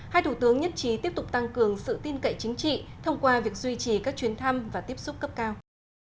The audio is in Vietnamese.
hai thủ tướng nhất trí tiếp tục tăng cường sự tin cậy chính trị thông qua việc duy trì các chuyến thăm và tiếp xúc cấp cao